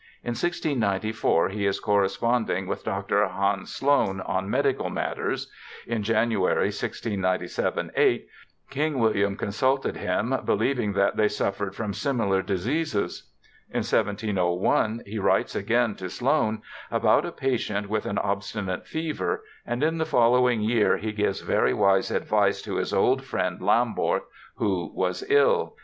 In 1694 he is corresponding w^ith Dr. Hans Sloane on medical matters. In January, 1697 8, King William consulted him, believing that they suffered from similar diseases. In 1701 he writes again to Sloane about a patient with an obstinate fever, and in the following year he gives very wise advice to his old friend Lomborch, who was ill.